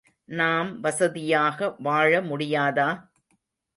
நாம் வசதியாக வாழ முடியாதா?